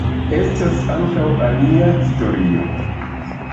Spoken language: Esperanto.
Estas ankaŭ alia historio.